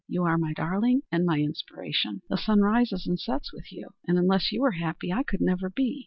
You are my darling and my inspiration. The sun rises and sets with you, and unless you were happy, I could never be.